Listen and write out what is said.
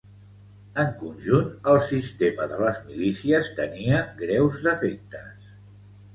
En conjunt, el sistema de les milícies tenia greus defectes